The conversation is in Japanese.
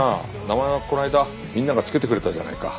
名前はこの間みんなが付けてくれたじゃないか。